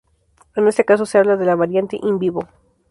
En este caso se habla de la "Variante "in vivo"".